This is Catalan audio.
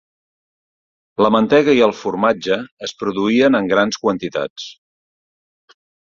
La mantega i el formatge es produïen en grans quantitats.